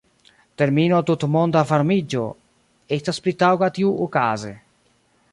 Termino tutmonda varmiĝo estas pli taŭga tiuokaze.